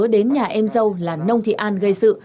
đến nhà em dâu là nông thị an gây sự